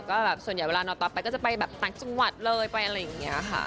ก็แบบส่วนใหญ่เวลานอนต่อไปก็จะไปแบบต่างจังหวัดเลยไปอะไรอย่างนี้ค่ะ